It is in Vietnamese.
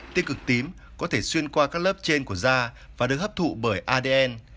tiêu cực tím có thể xuyên qua các lớp trên của da và được hấp thụ bởi adn